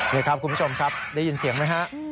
นี่ครับคุณผู้ชมครับได้ยินเสียงไหมฮะ